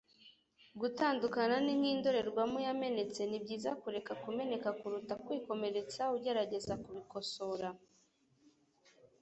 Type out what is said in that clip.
gutandukana ni nk'indorerwamo yamenetse nibyiza kureka kumeneka kuruta kwikomeretsa ugerageza kubikosora